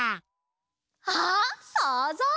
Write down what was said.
あっそうぞう！